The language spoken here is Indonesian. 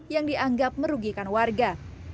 yang dianggap merugikan warga